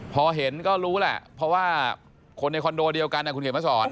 พอเห็นก็รู้แหละเพราะว่าคนในคอนโดเดียวกันคุณเขียนมาสอน